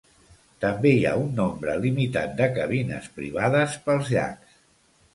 També hi ha un nombre limitat de cabines privades pels llacs.